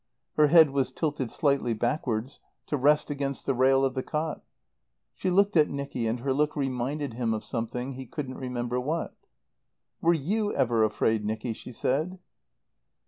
Her head was tilted slightly backwards to rest against the rail of the cot. She looked at Nicky and her look reminded him of something, he couldn't remember what. "Were you ever afraid, Nicky?" she said.